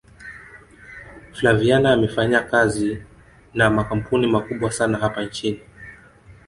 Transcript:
flaviana amefanyakazi na makampuni makubwa sana hapa nchini